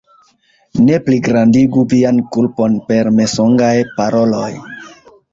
Ne pligrandigu vian kulpon per mensogaj paroloj!